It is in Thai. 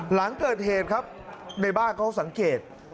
หลังเกิดเหตุครับในบ้านเขาสังเกต